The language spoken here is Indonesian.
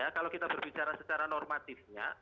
kalau kita berbicara secara normatifnya